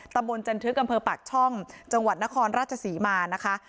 ตำบลจันทึกอำเภอปากช่องจังหวัดนครราชศรีมานะคะ